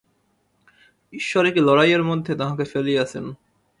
ঈশ্বর এ কী লড়াইয়ের মধ্যে তাহাকে ফেলিয়াছেন!